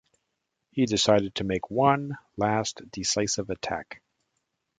He decided to make one, last, decisive attack.